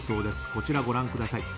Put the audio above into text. こちらをご覧ください。